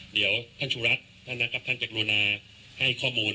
เดี๋ยวท่านสุรัตน์ท่านนะครับท่านจะกรุณาให้ข้อมูล